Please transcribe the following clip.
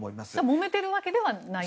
もめているわけではない。